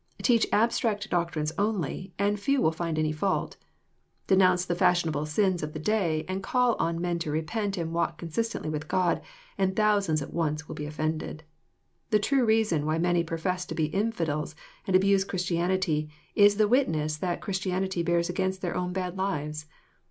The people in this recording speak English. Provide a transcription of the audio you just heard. Teach abstract doctrines only, and few will find any fault. Denounce th efashiq nable sins of the day, and call on men to repent and walk consistently with God, and thousands at once will be offended. The true reason why many profess to be infidels, and abuse Christianity, is the witnes s^ tha t Christianity bears against their own bad lives.